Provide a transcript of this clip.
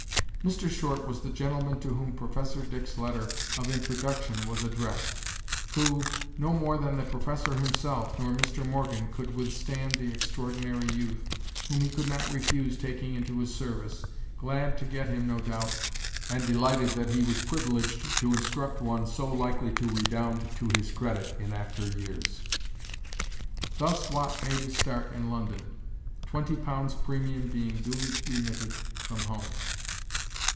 Mr. Short was the gentleman to whom Professor Dick's letter of introduction was addressed, who, no more than the Professor himself, nor Mr. Morgan, could withstand the extraordinary youth, whom he could not refuse taking into his service glad to get him no doubt, and delighted that he was privileged to instruct one so likely to redound to his credit in after years. Thus Watt made his start in London, the twenty pounds premium being duly remitted from home.